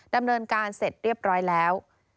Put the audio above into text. ดำเนินการเสร็จเรียบร้อยแล้ว